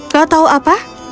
kau tahu apa